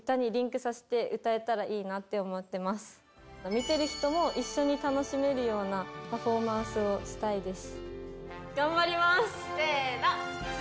見てる人も一緒に楽しめるようなパフォーマンスをしたいです。